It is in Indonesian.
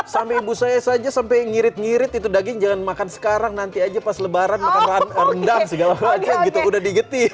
sampai ibu saya saja sampai ngirit ngirit itu daging jangan makan sekarang nanti aja pas lebaran makan rendang segala macam gitu udah digeti